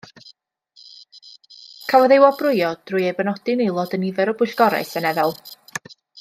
Cafodd ei wobrwyo drwy ei benodi'n aelod o nifer o bwyllgorau seneddol.